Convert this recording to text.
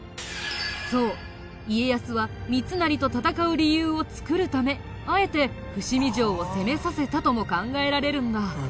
そう家康は三成と戦う理由を作るためあえて伏見城を攻めさせたとも考えられるんだ。